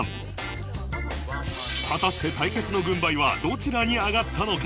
果たして対決の軍配はどちらに上がったのか？